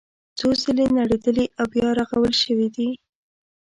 څو ځله نړېدلي او بیا رغول شوي دي.